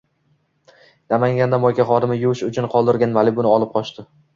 Namanganda “moyka” xodimi yuvish uchun qoldirilgan Malibu’ni olib qochdi